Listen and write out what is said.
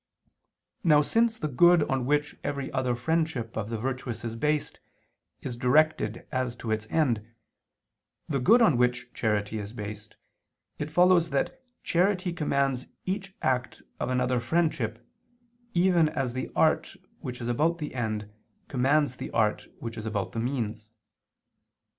Now since the good on which every other friendship of the virtuous is based, is directed, as to its end, to the good on which charity is based, it follows that charity commands each act of another friendship, even as the art which is about the end commands the art which is about the means.